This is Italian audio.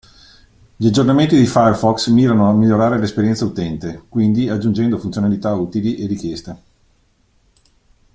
Gli aggiornamenti di Firefox mirano a migliorare l'esperienza utente, quindi aggiungendo funzionalità utili e richieste.